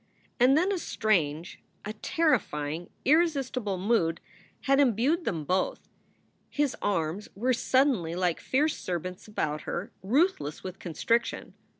And then a strange, a terrifying, irresistible mood had imbued 50 SOULS FOR SALE them both. His arms were suddenly like fierce serpents about her, ruthless with constriction.